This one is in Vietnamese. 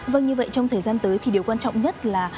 vâng như vậy trong thời gian tới thì điều quan trọng nhất là